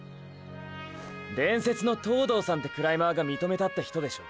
伝説の東堂さんてクライマーが認めたって人でしょ。